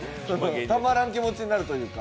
たまらん気持ちになるというか。